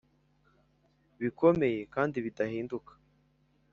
bikomeye kandi bidahinduka,